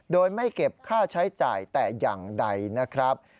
โดยไม่เก็บค่าใช้จ่ายแต่อย่างใดนะครับ